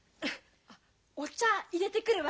お茶いれてくるわ。